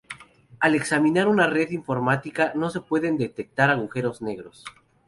Al examinar una red informática, no se pueden detectar agujeros negros.